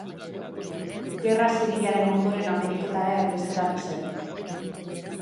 Gerra zibilaren ondoren Ameriketara erbesteratu zen.